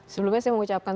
sebelumnya saya mengucapkan